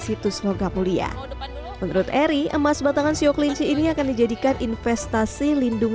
situs logam mulia menurut eri emas batangan sioklinci ini akan dijadikan investasi lindung